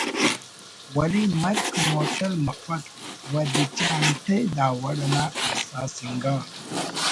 ولے مَرک مہتل مفک و دیچہ انتئے دا وڑ انا حساس انگا